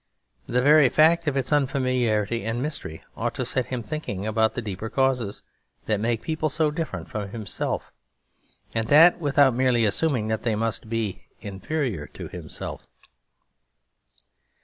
The very fact of its unfamiliarity and mystery ought to set him thinking about the deeper causes that make people so different from himself, and that without merely assuming that they must be inferior to himself.